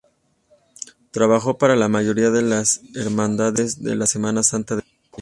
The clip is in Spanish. Trabajó para la mayoría de las Hermandades de la Semana Santa de Sevilla.